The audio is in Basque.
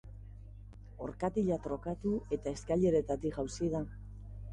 Orkatila trokatu eta eskaileretatik jausi da.